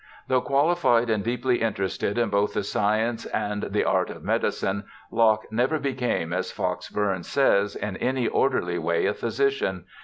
Though qualified and deeply interested in both the science and the art of medicine Locke never became, as Fox Bourne says, 'in any orderly way a physician.'